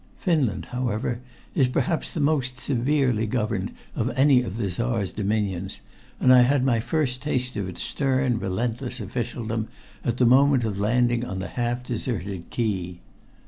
Finland, however, is perhaps the most severely governed of any of the Czar's dominions, and I had my first taste of its stern, relentless officialdom at the moment of landing on the half deserted quay.